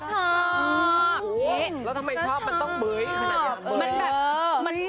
กับเพลงที่มีชื่อว่ากี่รอบก็ได้